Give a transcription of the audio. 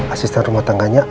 asisten rumah tangganya al